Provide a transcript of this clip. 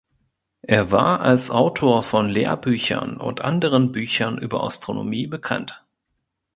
Er war als Autor von Lehrbüchern und anderen Büchern über Astronomie bekannt.